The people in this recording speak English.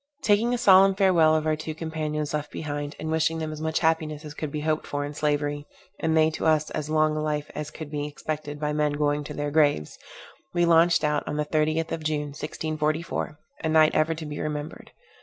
Taking a solemn farewell of our two companions left behind, and wishing them as much happiness as could be hoped for in slavery, and they to us as long life as could be expected by men going to their graves, we launched out on the 30th of June 1644, a night ever to be remembered.